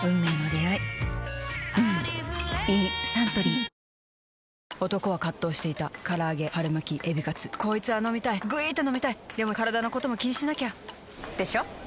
サントリー男は葛藤していた唐揚げ春巻きエビカツこいつぁ飲みたいぐいーーっと飲みたいでもカラダのことも気にしなきゃ！でしょ？